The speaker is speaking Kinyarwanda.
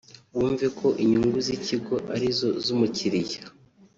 bumve ko inyungu z’ikigo ari zo z’umukiliya